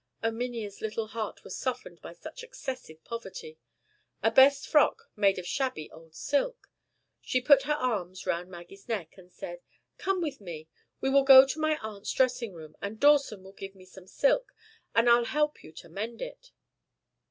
Erminia's little heart was softened by such excessive poverty. A best frock made of shabby old silk! She put her arms round Maggie's neck, and said: "Come with me; we will go to my aunt's dressing room, and Dawson will give me some silk, and I'll help you to mend it."